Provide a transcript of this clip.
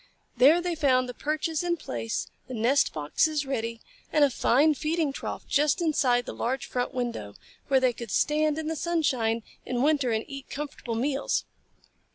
There they found the perches in place, the nest boxes ready, and a fine feeding trough just inside the large front window, where they could stand in the sunshine in winter and eat comfortable meals.